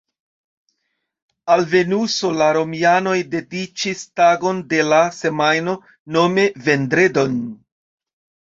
Al Venuso la romianoj dediĉis tagon de la semajno, nome vendredon.